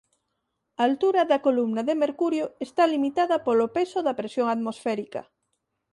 A altura da columna de mercurio está limitada polo peso da presión atmosférica.